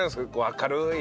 明るい。